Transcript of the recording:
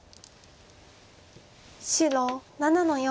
白７の四。